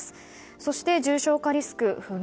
そして、重症化リスクは不明。